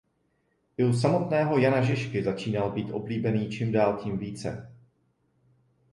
I u samotného Jana Žižky začínal být oblíbený čím dál tím více.